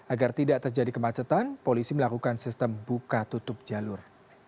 agar tidak terjadi kemacetan polisi melakukan sistem buka tutup jalur